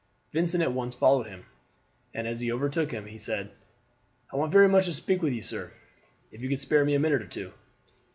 Vincent at once followed him, and as he overtook him said: "I want very much to speak to you, sir, if you could spare me a minute or two."